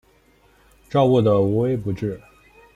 照顾得无微不至